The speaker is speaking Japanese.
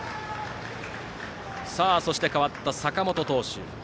そして、代わった坂本投手。